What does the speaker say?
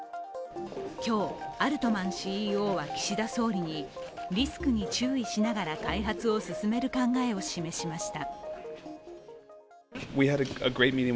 今日、アルトマンＣＥＯは岸田総理にリスクに注意しながら開発を進める考えを示しました。